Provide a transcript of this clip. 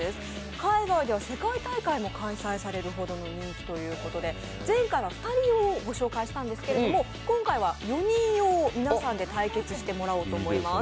海外では世界大会も開催されるほどの人気ということで前回は２人用をご紹介したんですけど、今回は４人用、皆さんで対決していただきたいと思います。